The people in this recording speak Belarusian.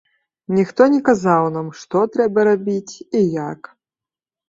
Ніхто не казаў нам, што трэба рабіць і як.